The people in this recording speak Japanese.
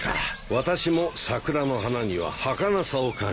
私も桜の花にははかなさを感じますね。